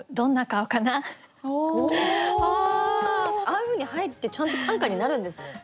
ああいうふうに入ってちゃんと短歌になるんですね。